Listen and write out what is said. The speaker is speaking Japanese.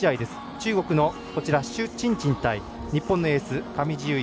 中国の朱珍珍対日本のエース、上地結衣